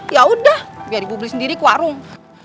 yaudah biar ibu beli sendiri ke warung